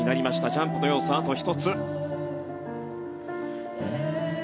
ジャンプの要素、あと１つ。